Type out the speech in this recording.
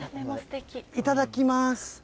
いただきます。